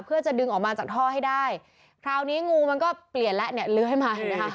เพื่อจะดึงออกมาจากท่อให้ได้คราวนี้งูมันก็เปลี่ยนแล้วเนี่ยเลื้อยมาเห็นไหมคะ